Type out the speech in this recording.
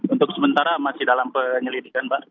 untuk sementara masih dalam penyelidikan mbak